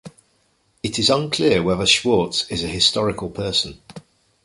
It is unclear whether Schwarz is a historical person.